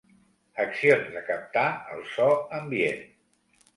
Accions de captar el so ambient.